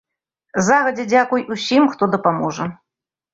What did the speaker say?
Загадзя дзякуй усім, хто дапаможа.